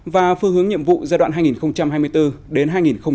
và phương hướng nhiệm vụ giai đoạn hai nghìn hai mươi bốn đến hai nghìn hai mươi năm